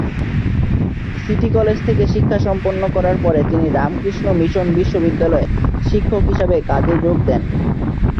City college থেকে শিক্ষা সম্পন্ন করার পরে তিনি রামকৃষ্ণ মিশন বিদ্যালয়ে শিক্ষক হিসাবে কাজে যোগ দেন।